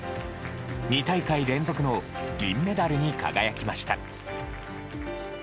２大会連続の銀メダルに輝きました。